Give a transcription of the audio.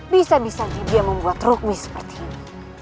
bisa bisa dia membuat rukmi seperti ini